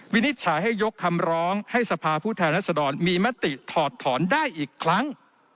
วินิจฉัยให้ยกคำร้องให้สภาผู้แทนรัศดรมีมติถอดถอนได้อีกครั้ง